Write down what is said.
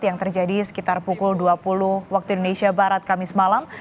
yang terjadi sekitar pukul dua puluh waktu indonesia barat kamis malam